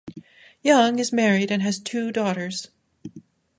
Young is married and has two daughters.